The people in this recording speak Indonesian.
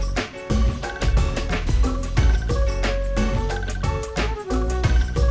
sama orangnya gak ada